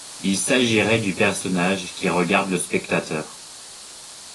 Il s'agirait du personnage qui regarde le spectateur.